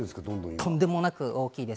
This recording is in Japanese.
とんでもなく大きいです。